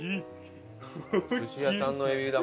お寿司屋さんのエビだもんね。